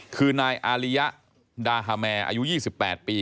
คือนายอาริยะดาฮาแมร์อายุ๒๘ปี